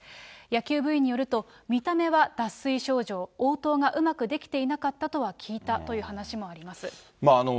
野球部員によると、見た目は脱水症状、応答がうまくできていなかったとは聞いたという話もあります。